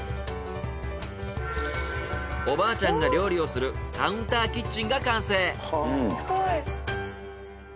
おばあちゃんが料理をするカウンターキッチンが完成！